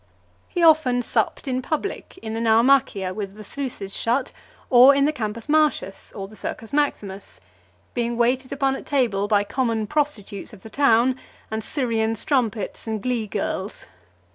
He often supped in public, in the Naumachia, with the sluices shut, or in the Campus Martius, or the Circus Maximus, being waited upon at table by common prostitutes of the town, and Syrian strumpets and glee girls.